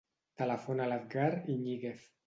Telefona a l'Edgar Iñiguez.